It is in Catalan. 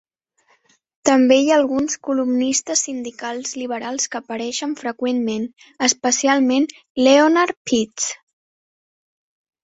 També hi ha alguns columnistes sindicals liberals que apareixen freqüentment, especialment Leonard Pitts.